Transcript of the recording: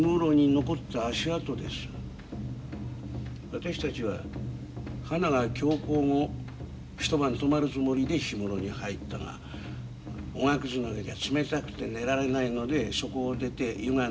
私たちはハナが凶行後一晩泊まるつもりで氷室に入ったがおがくずの上じゃ冷たくて寝られないのでそこを出て湯ヶ